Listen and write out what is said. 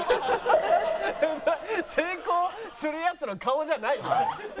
成功するヤツの顔じゃないわ。